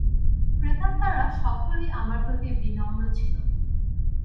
প্রেতাত্মারা সকলেই আমার প্রতি বিনম্র ছিল।